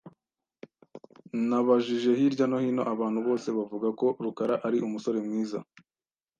Nabajije hirya no hino abantu bose bavuga ko Rukara ari umusore mwiza.